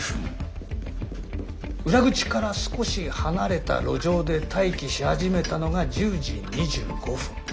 裏口から少し離れた路上で待機し始めたのが１０時２５分。